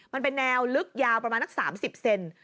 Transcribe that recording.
มันเป็นแนวลึกยาวประมาณนัก๓๐เซน